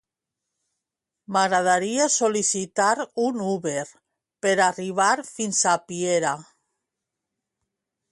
M'agradaria sol·licitar un Uber per arribar fins a Piera.